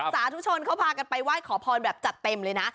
สาธุชนเขาพากันไปไหว้ขอพรแบบจัดเต็มเลยนะ